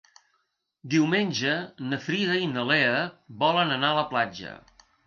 Diumenge na Frida i na Lea volen anar a la platja.